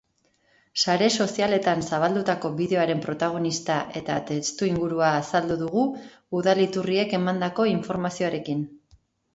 Sare sozialetan zabaldutako bideoaren protagonista eta testuingurua azaldu dugu udal iturriek emandako informazioarekin.